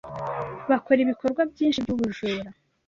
bakora ibikorwa byinshi byubujura